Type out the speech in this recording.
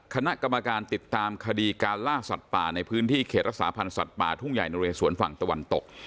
คณะกรรมการติดตามคดีการล่าสัตว์ป่าในพื้นที่เขตรักษาพันธ์สัตว์ป่าทุ่งใหญ่นเรสวนฝั่งตะวันตก